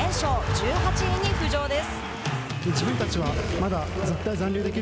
１８位に浮上です。